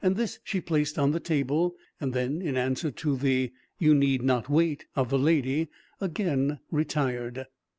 This she placed on the table, and then in answer to the "You need not wait," of the lady, again retired.